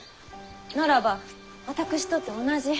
ならば私とて同じ。